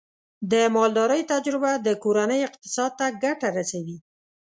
د مالدارۍ تجربه د کورنۍ اقتصاد ته ګټه رسوي.